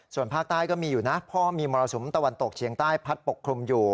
ส่วนภาคใต้ก็มีอยู่นะเพราะมีมรสุมตะวันตกเฉียงใต้พัดปกคลุมอยู่